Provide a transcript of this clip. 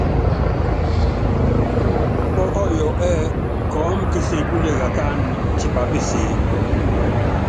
Pɔ́kɔyɔ ɛ́ɛ́ kɔɔ́m késekule kakáanɛ́ tipá peseé.